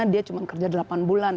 dia cuma kerja delapan bulan